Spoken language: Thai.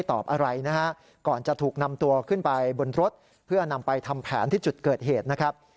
ที่จะนำไปทำแผนที่จุดเกิดเหตุนะครับ